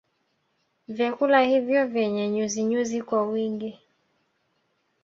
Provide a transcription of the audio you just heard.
Vyakula hivyo vyenye nyuzinyuzi kwa wingi